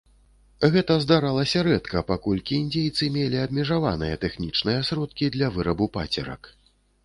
Гэта здаралася рэдка, паколькі індзейцы мелі абмежаваныя тэхнічныя сродкі для вырабу пацерак.